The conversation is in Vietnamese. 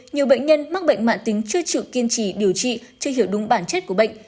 nhiều bệnh nhân mắc bệnh mạng tính chưa chịu kiên trì điều trị chưa hiểu đúng bản chất của bệnh